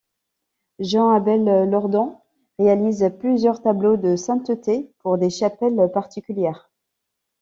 Jean-Abel Lordon réalise plusieurs tableaux de sainteté pour des chapelles particulières.